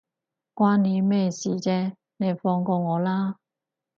關你咩事啫，你放過我啦